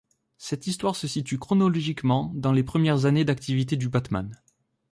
Cette histoire se situe chronologiquement dans les premières années d'activités du Batman.